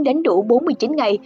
đến đủ bốn mươi chín ngày